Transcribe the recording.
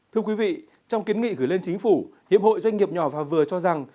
thưa quý vị trong kiến nghị gửi lên chính phủ hiệp hội doanh nghiệp nhỏ và vừa cho rằng